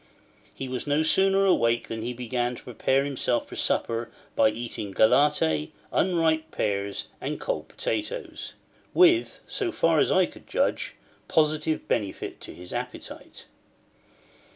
He was no sooner awake than he began to prepare himself for supper by eating galette, unripe pears, and cold potatoes—with, so far as I could judge, positive benefit to his appetite.